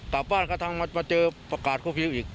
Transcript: กลับบ้านเขามาเจอประกาศโครวิวอีก